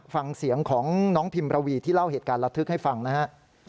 ฟังเสียงของน้องพิมระวีที่เล่าเหตุการณ์ระทึกให้ฟังนะฮะ